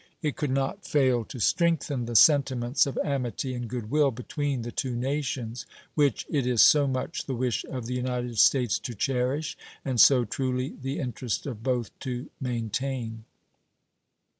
It could not fail to strengthen the sentiments of amity and good will between the two nations which it is so much the wish of the United States to cherish and so truly the interest of both to maintain.